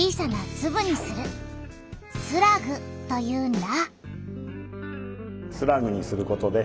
「スラグ」というんだ。